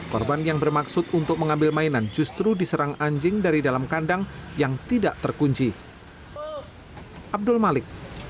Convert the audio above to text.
korban yang bermaksud untuk mengambil mainan justru diserang anjing dari dalam kandang yang tidak terkunci